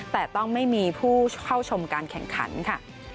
แต่ต้องไม่มีผู้เข้าชมการแข่งขันค่ะ